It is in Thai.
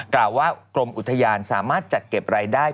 กล่าวว่ากรมอุทยานสามารถจัดเก็บรายได้